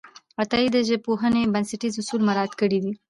عطایي د ژبپوهنې بنسټیز اصول مراعت کړي دي.